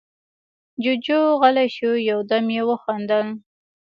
جُوجُو غلی شو، يو دم يې وخندل: